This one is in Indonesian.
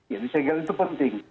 saya kira itu penting